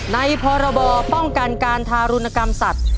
พรบป้องกันการทารุณกรรมสัตว์